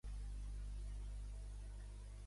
Viu a Benín, el sud-oest de Nigèria i Togo.